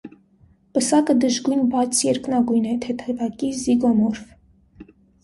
Պսակը դժգույն բաց երկնագույն է, թեթևակի զիգոմորֆ։